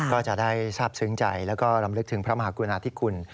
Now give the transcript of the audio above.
ก็จะได้ทราบซึ้งใจแล้วก็รำลึกถึงพระมหากรุณาธิคุณ